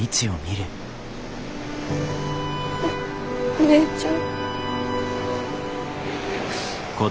お姉ちゃん。